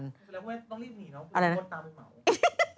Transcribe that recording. แล้วต้องรีบหนีเนอะคุณพ่อตามไม่เหมา